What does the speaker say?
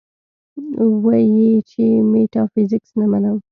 وې ئې چې ميټافزکس نۀ منم -